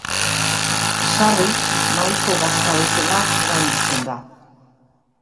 Sarri mahaiko gazta bezala erabiltzen da.